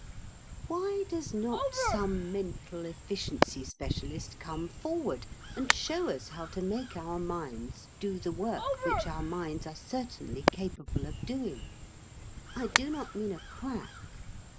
Why does not some mental efficiency specialist come forward and show us how to make our minds do the work which our minds are certainly capable of doing? I do not mean a quack.